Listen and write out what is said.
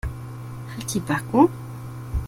Halt die Backen.